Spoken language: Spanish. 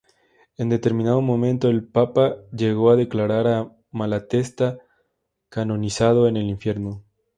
En determinado momento, el Papa llegó a declarar a Malatesta "canonizado en el infierno".